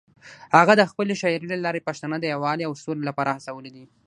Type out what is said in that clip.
هغه د خپلې شاعرۍ له لارې پښتانه د یووالي او سولې لپاره هڅولي دي.